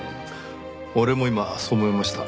俺も今そう思いました。